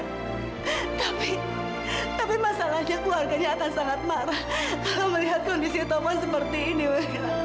tapi tapi masalahnya keluarganya akan sangat marah kalau melihat kondisi thomas seperti ini bu